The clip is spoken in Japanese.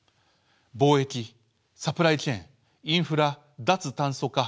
貿易サプライチェーンインフラ・脱炭素化